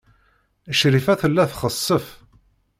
Crifa tella txessef.